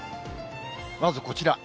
まずこちら。